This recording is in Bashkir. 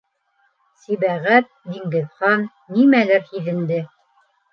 Сибәғәт-Диңгеҙхан нимәлер һиҙенде.